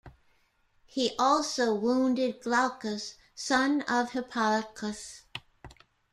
He also wounded Glaucus, son of Hippolochus.